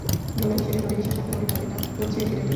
Bowler হিসেবে তাদের বিশ্বাস রাখতে হবে, তারা যেটা করছে সেটাই ঠিক।